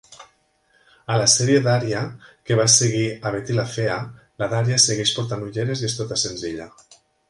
A la sèrie "Daria" que va seguir a "Betty, la fea", la Daria segueix portant ulleres i és tota senzilla.